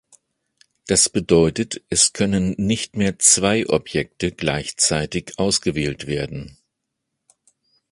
Das bedeutet, es können nicht mehr zwei Objekte gleichzeitig ausgewählt werden.